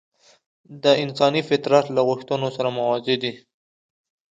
د انساني فطرت له غوښتنو سره موازي دي.